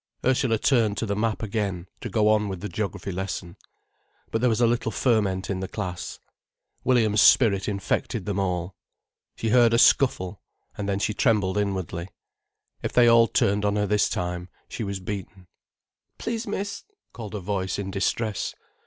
Ursula turned to the map again, to go on with the geography lesson. But there was a little ferment in the class. Williams' spirit infected them all. She heard a scuffle, and then she trembled inwardly. If they all turned on her this time, she was beaten. "Please, miss——" called a voice in distress.